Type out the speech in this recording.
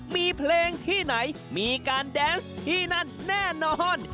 มีเพลงที่ไหนมีการแดนส์ที่นั่นแน่นอน